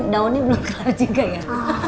daunnya belum kelaut juga ya